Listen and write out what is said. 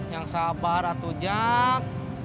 yang sabar atu jak